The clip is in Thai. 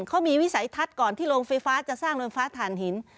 เขามีวิสัยทัศน์ก่อนที่โรงไฟฟ้าจะสร้างโรงไฟฟ้าฐานหิน